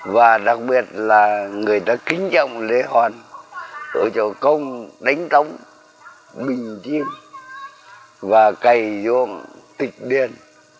và đặc biệt là người ta kính trọng lễ hoàn ở chỗ công đánh tống bình chim và cày ruộng tịch điền